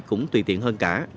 cũng tùy tiện hơn cả